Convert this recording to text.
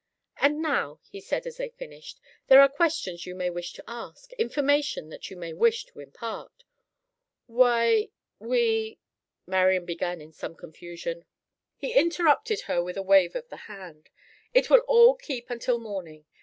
"And now," he said as they finished, "there are questions you may wish to ask; information that you may wish to impart." "Why—we—" Marian began in some confusion. He interrupted her with a wave of the hand. "It will all keep until morning.